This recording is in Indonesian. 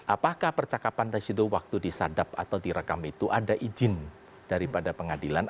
apakah percakapan tashidu waktu disadap atau direkam itu ada izin daripada pengadilan